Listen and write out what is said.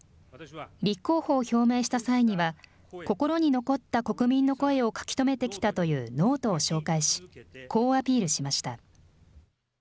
立候補を表明した際には、心に残った国民の声を書き留めてきたというノートを紹介し、こうアピールしました。